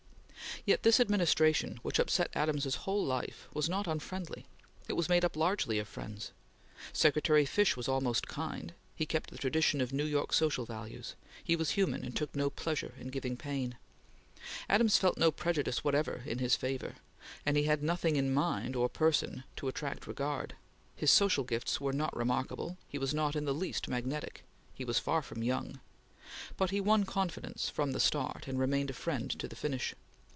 Yet this administration, which upset Adams's whole life, was not unfriendly; it was made up largely of friends. Secretary Fish was almost kind; he kept the tradition of New York social values; he was human and took no pleasure in giving pain. Adams felt no prejudice whatever in his favor, and he had nothing in mind or person to attract regard; his social gifts were not remarkable; he was not in the least magnetic; he was far from young; but he won confidence from the start and remained a friend to the finish.